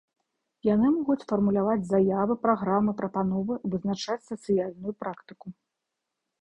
Яны могуць фармуляваць заявы, праграмы, прапановы, вызначаць сацыяльную практыку.